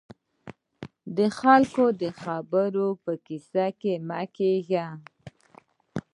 د خلکو د خبرو په کيسه کې مه کېږئ.